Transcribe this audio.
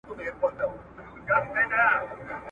ته په خپل سیوري کي ورک یې `